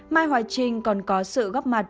mai hoài trình còn có sự góp mặt